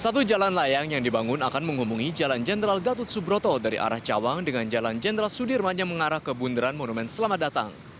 satu jalan layang yang dibangun akan menghubungi jalan jenderal gatot subroto dari arah cawang dengan jalan jenderal sudirman yang mengarah ke bundaran monumen selamat datang